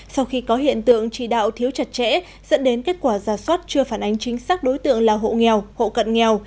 sau khi có hiện tượng chỉ đạo thiếu chặt chẽ dẫn đến kết quả giả soát chưa phản ánh chính xác đối tượng là hộ nghèo hộ cận nghèo